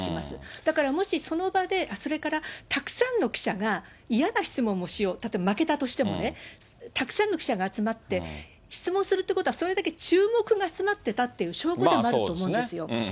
だからもしその場で、それからたくさんの記者が嫌な質問をしよう、例えば負けたとしてもね、たくさんの記者が集まって、質問するってことはそれだけ注目が集まってたっていう証拠でもあると思うんですよ。